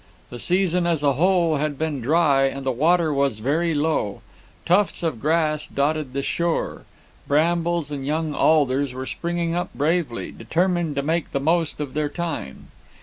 The season as a whole had been dry, and the water was very low; tufts of grass dotted the shore; brambles and young alders were springing up bravely, determined to make the most of their time.